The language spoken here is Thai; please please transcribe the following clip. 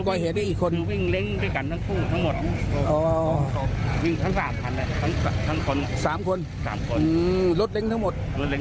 รถเล็งทั้งหมด